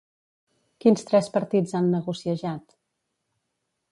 Quins tres partits han negociejat?